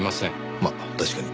まあ確かに。